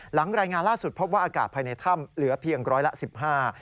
รายงานล่าสุดพบว่าอากาศภายในถ้ำเหลือเพียงร้อยละสิบห้า